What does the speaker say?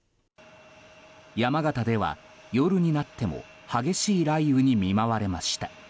山形では夜になっても激しい雷雨に見舞われました。